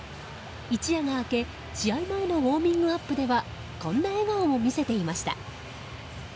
一夜明け、試合前のウォーミングアップではこんな笑顔を見せていました。